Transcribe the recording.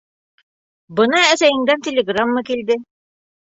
Бына әсәйеңдән телеграмма килде.